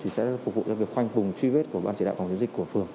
sẽ phục vụ cho việc khoanh vùng truy vết của ban chỉ đạo phòng chống dịch của phường